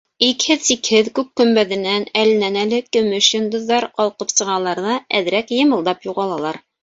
Икһеҙ-сикһеҙ күк көмбәҙенән әленән-әле көмөш йондоҙҙар ҡалҡып сығалар ҙә, әҙерәк йымылдап юғалалар.